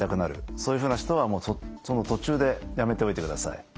そういうふうな人はその途中でやめておいてください。